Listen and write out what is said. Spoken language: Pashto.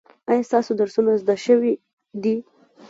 ایا ستاسو درسونه زده شوي دي؟